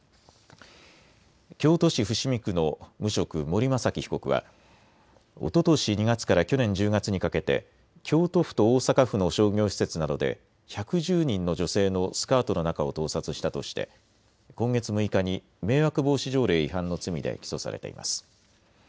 京都市伏見区の無職、森雅紀被告はおととし２月から去年１０月にかけて京都府と大阪府の商業施設などで１１０人の女性のスカートの中を盗撮したとして今月６日に迷惑防止条例違反の罪で起訴されています。